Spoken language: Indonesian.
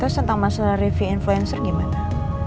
terus tentang masalah review influencer gimana